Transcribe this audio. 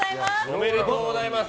おめでとうございます。